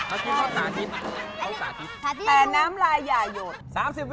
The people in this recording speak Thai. แผ่นมันล่ายอย่ายด